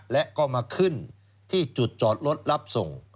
และก็มาขึ้นที่จุดจอดรถรับส่ง